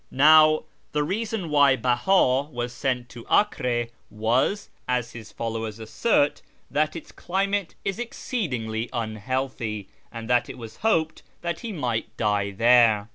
Now the reason why Beha was sent to Acre was, as his followers assert, that its climate is exceed ingly unhealthy, and that it was hoped that he might die there.